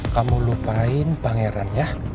kamu lupain pangerannya